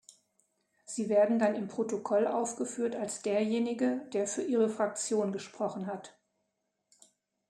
Sie werden dann im Protokoll aufgeführt als derjenige, der für Ihre Fraktion gesprochen hat.